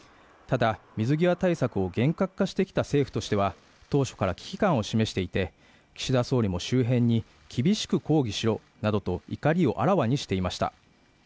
ただ水際対策を厳格化してきた政府としては当初から危機感を示していて岸田総理も周辺に厳しく抗議しろなどと怒りをあらわにしていました